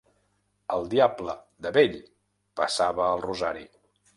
El diable, de vell, passava el rosari.